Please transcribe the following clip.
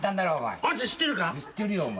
知ってるよお前。